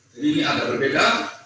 jadi ini ada berbeda